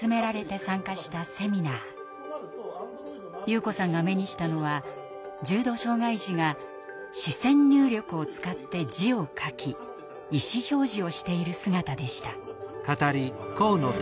優子さんが目にしたのは重度障害児が視線入力を使って字を書き意思表示をしている姿でした。